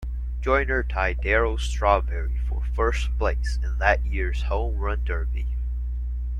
Joyner tied Darryl Strawberry for first place in that year's Home Run Derby.